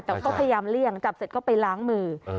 แต่ก็พยายามเลี่ยงจับเสร็จก็ไปล้างมือ